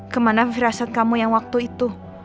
kemana firasat kamu yang waktu itu